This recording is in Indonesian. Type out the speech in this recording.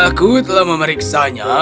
aku telah memeriksanya